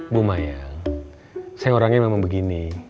bu maya saya orangnya memang begini